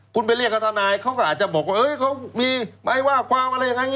คุณไปเรียกกับทนายเขาก็อาจจะบอกว่าเขามีไหมว่าความอะไรยังไง